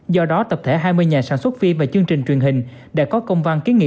do đó tập thể hai mươi nhà sản xuất phim và chương trình truyền hình đã có công văn ký